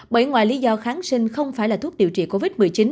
bởi ngoài lý do kháng sinh không phải là thuốc điều trị covid một mươi chín